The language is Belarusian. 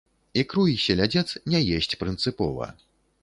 Ікру і селядзец не есць прынцыпова.